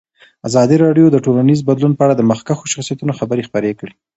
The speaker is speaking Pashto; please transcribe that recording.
ازادي راډیو د ټولنیز بدلون په اړه د مخکښو شخصیتونو خبرې خپرې کړي.